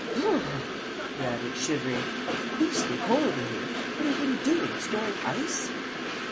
B r r r r!" he added, shivering. "It's beastly cold in here. What you been doing storing ice?"